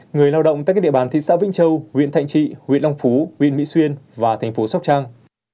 người lao động tại các địa bàn thị xã vĩnh châu huyện thạnh trị huyện long phú huyện mỹ xuyên và thành phố sóc trăng